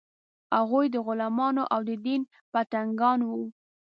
هغوی د غلمانو او د دین پتنګان وو.